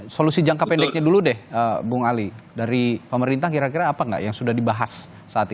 solusi jangka pendeknya dulu deh bung ali dari pemerintah kira kira apa nggak yang sudah dibahas saat ini